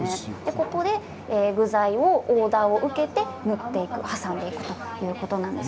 ここで具材オーダーを受けて塗っていく挟んでいくということなんです。